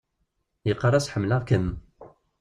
Yeqqar-as: Ḥemmleɣ-kem.